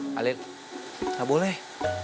halil gak boleh